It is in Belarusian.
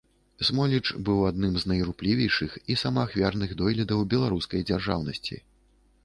Смоліч быў адным з найруплівейшых і самаахвярных дойлідаў беларускай дзяржаўнасьці.